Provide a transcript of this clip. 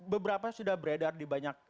beberapa sudah beredar di banyak